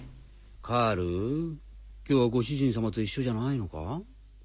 カール今日はご主人さまと一緒じゃないのか？